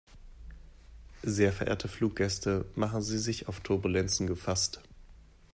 Sehr verehrte Fluggäste, machen Sie sich auf Turbulenzen gefasst.